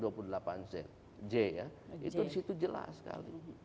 itu di situ jelas sekali